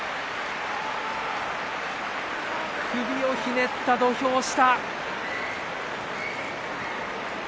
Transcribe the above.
首をひねった土俵下。